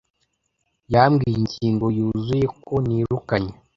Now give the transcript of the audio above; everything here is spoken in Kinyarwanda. Yambwiye ingingoyuzuye ko nirukanye